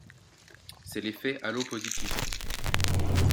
C'est l'effet halo positif.